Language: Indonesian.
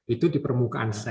itu di permukaan sel